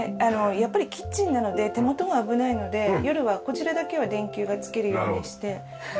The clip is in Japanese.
やっぱりキッチンなので手元は危ないので夜はこちらだけは電球がつけるようにして。